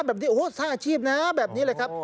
นี่นะครับสร้างอาชีพนะแบบนี้เลยครับ